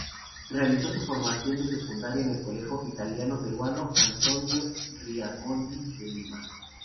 Realizó su formación de secundaria en el colegio italiano-peruano Antonio Raimondi, de Lima.